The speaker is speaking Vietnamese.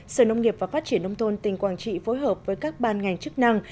sở nông nghiệp và phát triển nông thôn tỉnh quảng trị phối hợp với các ban ngành chức năng